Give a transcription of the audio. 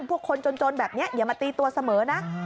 พวกคนจนแบบนี้อย่ามาตีตัวเสมอนะ